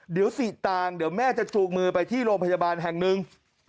เดี๋ยวสีตางค์เดี๋ยวแม่จะจูงมือไปที่โรงพยาบาลแห่งหนึ่ง